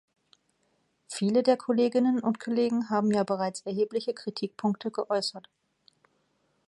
Viele der Kolleginnen und Kollegen haben ja bereits erhebliche Kritikpunkte geäußert.